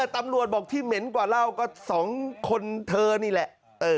ตำรวจบอกที่เหม็นกว่าเล่าก็๒คนเธอนี่แหละ